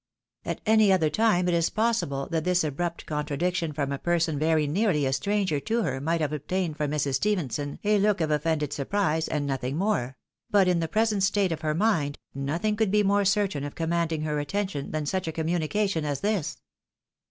At any other time it is possible that this abrupt contradic tion from a person very nearly a stranger to her might have obtained from Mrs. Stephenson a look of offended surprise and nothing more ; but in the present state of her mind, nothing could be more certain of commanding her attention than such a communication as this.